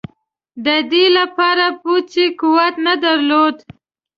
د دې لپاره پوځي قوت نه درلود.